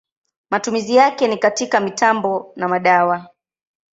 Matumizi yake ni katika mitambo na madawa.